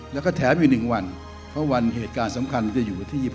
แล้วก็แถมอยู่๑วันเพราะวันเหตุการณ์สำคัญจะอยู่วันที่๒๕